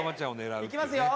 「いきますよ！